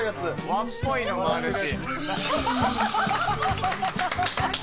和っぽいのもあるし。